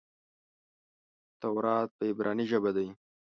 تورات په عبراني ژبه دئ.